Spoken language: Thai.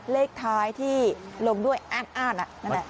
เลขท้ายที่ลงด้วยอ้านนั่นแหละ